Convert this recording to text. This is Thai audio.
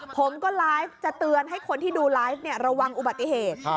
ผมก็ไลฟ์จะเตือนให้คนที่ดูไลฟ์ระวังอุบัติเหตุ